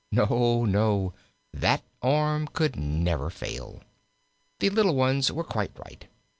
No, no; that arm could never fail. The little ones were quite right.